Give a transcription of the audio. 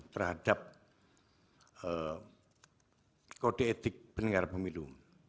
terhadap kode etik penyelenggara pemilu